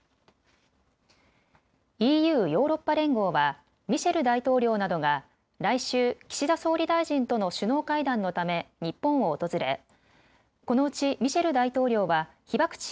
ＥＵ・ヨーロッパ連合はミシェル大統領などが来週岸田総理大臣との首脳会談のため日本を訪れこのうちミシェル大統領は被爆地